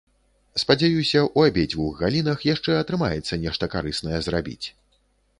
Спадзяюся, у абедзвюх галінах яшчэ атрымаецца нешта карыснае зрабіць.